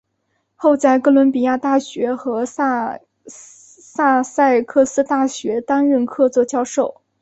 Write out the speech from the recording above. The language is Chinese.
后在哥伦比亚大学和萨塞克斯大学担任客座教授。